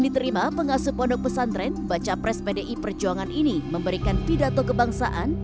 diterima pengasuh pondok pesantren baca pres pdi perjuangan ini memberikan pidato kebangsaan